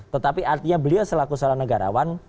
tetapi artinya beliau selaku salah negarawan